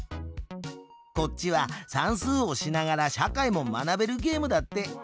こっちは算数をしながら社会も学べるゲームだって。